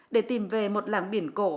để tìm về một làng biển cổ